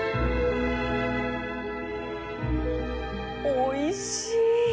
おいしい！